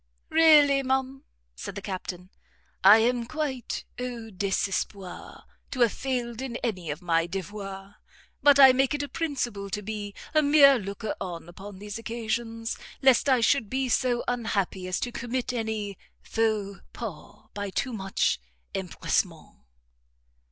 "Really, ma'am," said the Captain, "I am quite au desespoir to have failed in any of my devoirs; but I make it a principle to be a mere looker on upon these occasions, lest I should be so unhappy as to commit any faux pas by too much empressement."